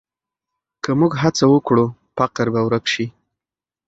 که موږ هڅه وکړو، فقر به ورک شي.